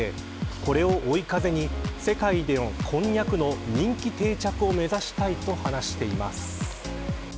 これを追い風に世界でのこんにゃくの人気定着を目指したいと話しています。